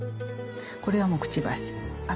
これはくちばし。